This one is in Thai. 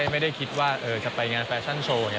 ไม่ได้คิดว่าจะไปงานแฟชั่นโชว์